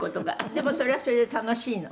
「でもそれはそれで楽しいの？」